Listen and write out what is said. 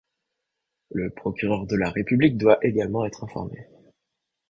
Le procureur de la République doit également être informé.